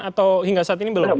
atau hingga saat ini belum